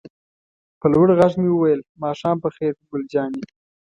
په لوړ غږ مې وویل: ماښام په خیر ګل جانې.